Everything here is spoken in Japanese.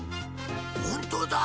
本当だ。